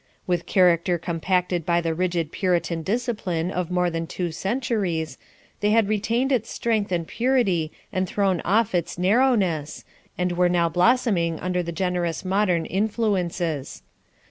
With character compacted by the rigid Puritan discipline of more than two centuries, they had retained its strength and purity and thrown off its narrowness, and were now blossoming under the generous modern influences.